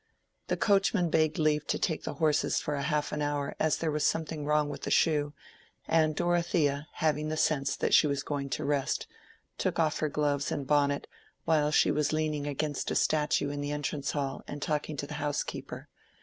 The coachman begged leave to take out the horses for half an hour as there was something wrong with a shoe; and Dorothea, having the sense that she was going to rest, took off her gloves and bonnet, while she was leaning against a statue in the entrance hall, and talking to the housekeeper.